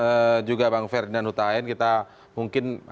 dan juga bang ferdinand hutaen kita mungkin selalu berhubungan dengan anda